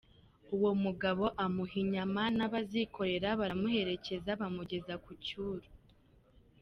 Uwo mugabo amuha inyama n’abazikorera, baramuherekeza bamugeza ku Cyuru.